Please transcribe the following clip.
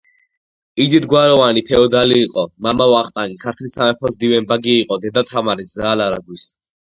იდიდგვაროვანი ფეოდალი იყო. მამა — ვახტანგი, ქართლის სამეფოს მდივანბეგი იყო; დედა — თამარი, ზაალ არაგვის